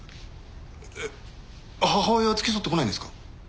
えっ母親は付き添ってこないんですか？